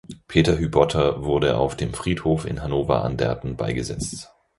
Peter Hübotter wurde auf dem Friedhof in Hannover-Anderten beigesetzt.